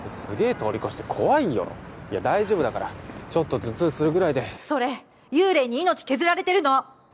通り越して怖いよいや大丈夫だからちょっと頭痛するぐらいでそれ幽霊に命削られてるの！